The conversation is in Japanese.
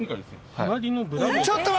『隣のブラボー様』。